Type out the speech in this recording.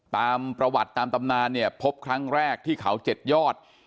ตามประวัติตามตำนานเนี่ยพบครั้งแรกที่เขา๗ยอด